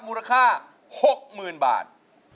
มูลค่า๖๐๐๐บาท